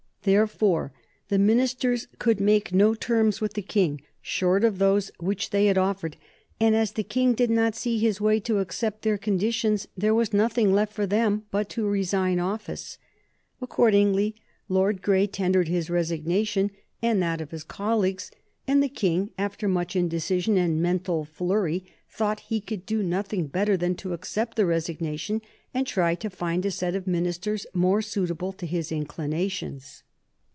Therefore the ministers could make no terms with the King short of those which they had offered, and as the King did not see his way to accept their conditions there was nothing left for them but to resign office. Accordingly Lord Grey tendered his resignation and that of his colleagues, and the King, after much indecision and mental flurry, thought he could do nothing better than to accept the resignation, and try to find a set of ministers more suitable to his inclinations.